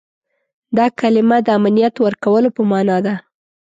دا کلمه د امنیت ورکولو په معنا ده.